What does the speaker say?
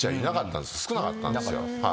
少なかったんですよ。